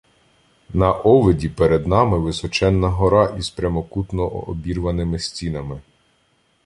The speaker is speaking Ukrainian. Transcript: На овиді перед нами — височенна гора із прямокутно обірваними стінами.